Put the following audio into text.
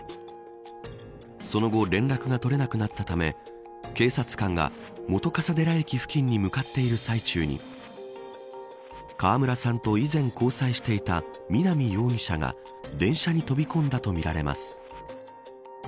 その後、連絡が取れなくなったため警察官が本笠寺駅付近に向かっている最中に川村さんと以前交際していた南容疑者が電車に飛び込んだとみられます。